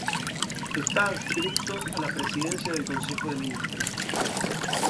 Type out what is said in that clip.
Está adscrito a la Presidencia del Consejo de Ministros.